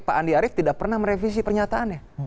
pak andi arief tidak pernah merevisi pernyataannya